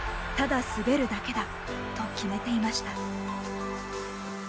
ただ滑るだけだと決めていました。